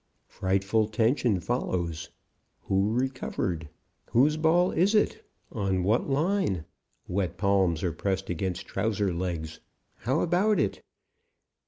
Frightful tension follows. Who recovered? Whose ball is it? On what line? Wet palms are pressed against trouser legs. How about it?